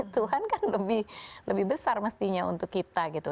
tuhan kan lebih besar mestinya untuk kita gitu